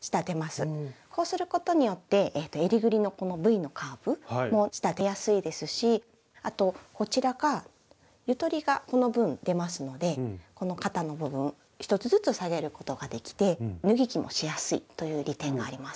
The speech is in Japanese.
こうすることによってえりぐりのこのＶのカーブも仕立てやすいですしあとこちらがゆとりがこの分出ますので肩の部分１つずつ下げることができて脱ぎ着もしやすいという利点があります。